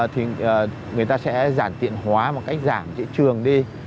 thì người ta sẽ giản tiện hóa một cách giảm giữa trường đi